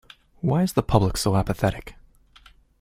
Why is the public so apathetic?